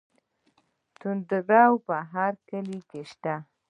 تندور په هر کلي کې شته.